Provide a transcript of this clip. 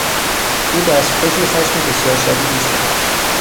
او دستخوش خشم بسیار شدیدی شد.